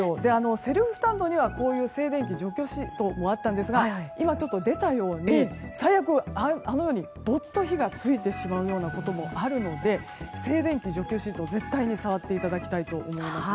セルフスタンドには静電気除去シートもあったんですが今、出たように最悪、あのように火が付くこともあるので静電気除去シートを絶対に触っていただきたいと思います。